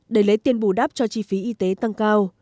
để lấy tiền bù đắp cho chi phí y tế tăng cao